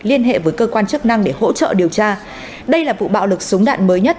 liên hệ với cơ quan chức năng để hỗ trợ điều tra đây là vụ bạo lực súng đạn mới nhất